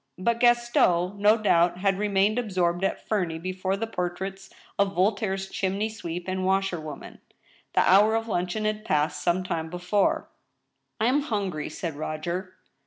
But Gaston, no doubt, had remained absorbed at Femey before the portraits of Voltaire's chimney sweep and washer woman. The hour of luncheon had passed some time before, " I am hungry," said Roger.